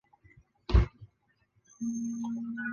黎巴嫩有一名运动员参加田径比赛。